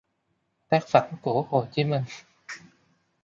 Tác phẩm của Hồ Chí Minh